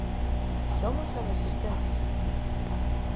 Somos a Resistencia!